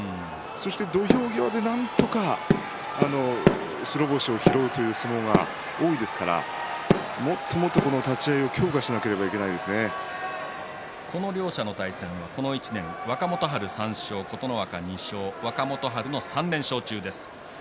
そして土俵際でなんとか白星を拾おうという相撲が多いですからもっともっと立ち合いを両者の対戦はこの１年若元春３勝、琴ノ若２勝若元春の３連勝中です。